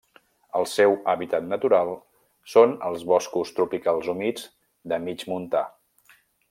El seu hàbitat natural són els boscos tropicals humits de mig montà.